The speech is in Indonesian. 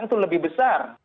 itu lebih besar